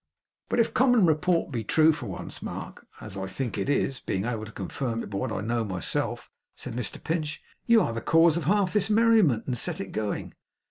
'But if common report be true for once, Mark, as I think it is, being able to confirm it by what I know myself,' said Mr Pinch, 'you are the cause of half this merriment, and set it going.